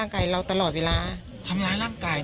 หนักสุดเราเจ็บถึงขนาดไหนครับพี่